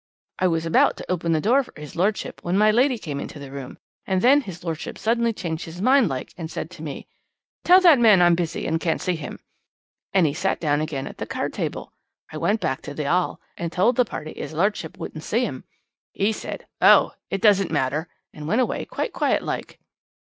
"'I was about to open the door for 'is lordship when my lady came into the room, and then his lordship suddenly changed his mind like, and said to me: "Tell that man I'm busy and can't see him," and 'e sat down again at the card table. I went back to the 'all, and told the party 'is lordship wouldn't see 'im. 'E said: "Oh! it doesn't matter," and went away quite quiet like.'